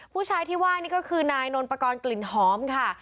ผู้ชายที่ว่านี่ก็คือนายนนปกรณ์กลิ่นหอมค่ะ